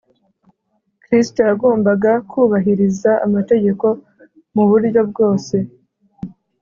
, Kristo yagombaga kubahiriza amategeko mu buryo bwose